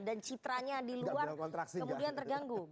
dan citranya di luar kemudian terganggu